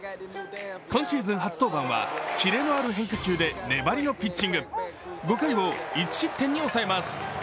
今シーズン初登板は、キレのある変化球で粘りのピッチング、５回を１失点に抑えます。